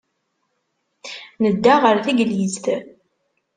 Nedda ɣer teglizt.